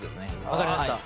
分かりました。